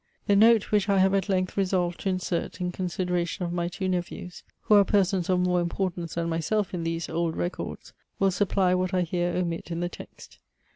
The note* which I have at length resolved to insert in consideration of my two nephews, who are persons of more importance than myself in these old records, will supply what I here omit in the text.